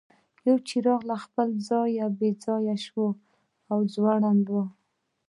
یو څراغ له خپل ځایه بې ځایه شوی او ځوړند و.